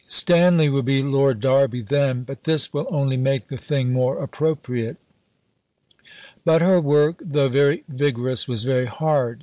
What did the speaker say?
Stanley will be Lord Derby then, but this will only make the thing more appropriate." But her work, though very vigorous, was very hard.